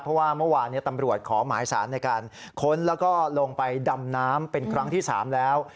เพราะว่าเมื่อวานตำรวจขอหมายสารในการค้นแล้วก็ลงไปดำน้ำเป็นครั้งที่๓แล้ว